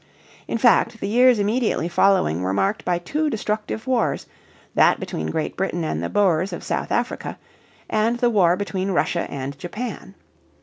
In fact the years immediately following were marked by two destructive wars: that between Great Britain and the Boers of South Africa, and the war between Russia and Japan.